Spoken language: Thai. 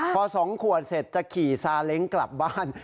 พอ๒ขวดเสร็จจะขี่ซาเล้งกลับบ้าน